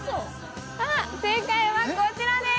正解はこちらです。